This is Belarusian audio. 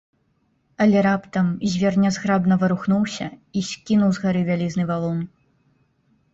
Але раптам звер нязграбна варухнуўся і скінуў з гары вялізны валун.